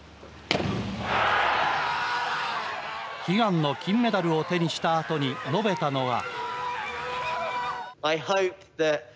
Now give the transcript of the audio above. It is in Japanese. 悲願の金メダルを手にした後に述べたのは。